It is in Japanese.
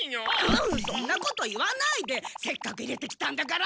そんなこと言わないでせっかくいれてきたんだから！